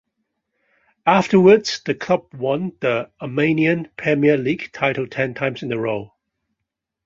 Afterwards, the club won the Armenian Premier League title ten times in a row.